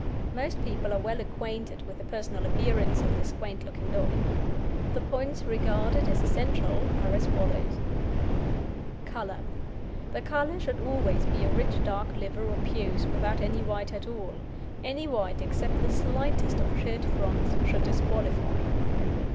Most people are well acquainted with the personal appearance of this quaint looking dog. The points regarded as essential are as follows: COLOUR The colour should always be a rich dark liver or puce without any white at all. Any white except the slightest of "shirt fronts" should disqualify.